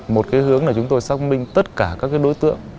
một cái hướng là chúng tôi xác minh tất cả các cái đối tượng